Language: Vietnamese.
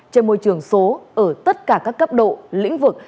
trên môi trường số ở tất cả các cấp độ lĩnh vực